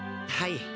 はい。